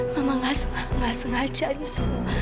mama enggak sengaja ini semua